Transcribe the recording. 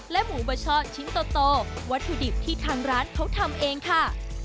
หมูบะช่อชิ้นโตวัตถุดิบที่ทางร้านเขาทำเองค่ะ